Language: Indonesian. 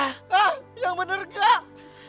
hah yang bener kak